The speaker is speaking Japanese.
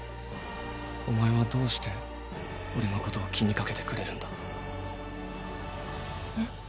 お前はどうしてオレのことを気にかけてくれるんだ？え？